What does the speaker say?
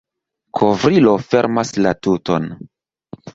Kovrilo fermas la tuton.